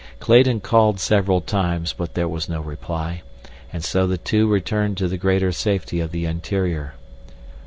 Clayton called several times, but there was no reply, and so the two returned to the greater safety of the interior.